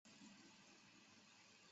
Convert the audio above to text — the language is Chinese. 八小时后出货